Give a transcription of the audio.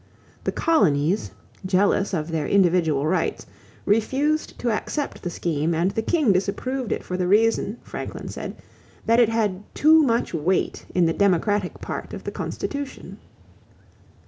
The colonies, jealous of their individual rights, refused to accept the scheme and the king disapproved it for the reason, Franklin said, that it had "too much weight in the democratic part of the constitution."